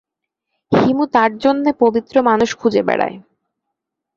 হিমু তার জন্যে পবিত্র মানুষ খুঁজে বেড়ায়।